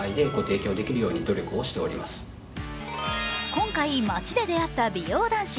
今回、街で出会った美容男子。